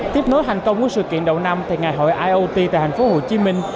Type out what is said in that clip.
tiếp nối hành công của sự kiện đầu năm ngày hội iot tại thành phố hồ chí minh